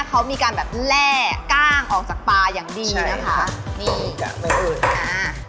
เขามีการแบบแร่กล้างออกจากปลาอย่างดีนะคะใช่ค่ะนี่